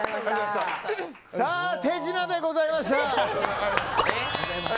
さあ、手品でございました！